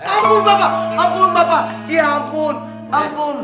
ampun bapak ampun bapak ya ampun ampun